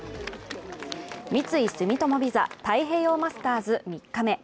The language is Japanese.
三井住友ＶＩＳＡ太平洋マスターズ３日目。